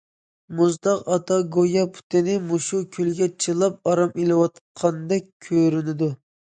مۇزتاغ ئاتا گويا پۇتىنى مۇشۇ كۆلگە چىلاپ ئارام ئېلىۋاتقاندەك كۆرۈنىدۇ.